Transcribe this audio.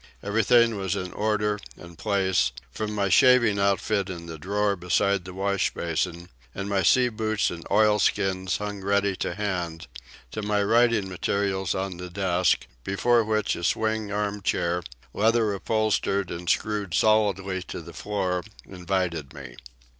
Everything was in order and place, from my shaving outfit in the drawer beside the wash basin, and my sea boots and oilskins hung ready to hand, to my writing materials on the desk, before which a swing arm chair, leather upholstered and screwed solidly to the floor, invited me.